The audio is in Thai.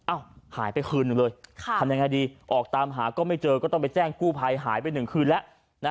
หายไปคืนหนึ่งเลยทำยังไงดีออกตามหาก็ไม่เจอก็ต้องไปแจ้งกู้ภัยหายไป๑คืนแล้ว